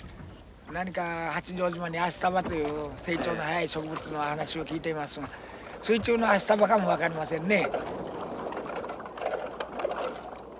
何か八丈島にアシタバという成長の早い植物の話を聞いていますが水中のアシタバかも分かりませんね。